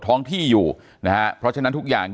อย่างที่บอกไปว่าเรายังยึดในเรื่องของข้อ